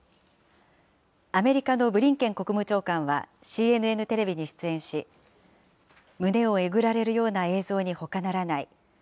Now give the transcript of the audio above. アメリカのブリンケン国務長官は、ＣＮＮテレビに出演し、胸をえぐられるような映像にほかならない。